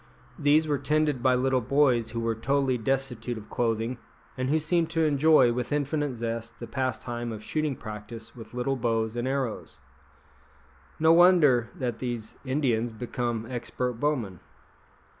These were tended by little boys who were totally destitute of clothing, and who seemed to enjoy with infinite zest the pastime of shooting practice with little bows and arrows. No wonder that these Indians become expert bowmen.